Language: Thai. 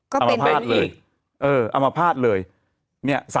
เอามาพาดเลย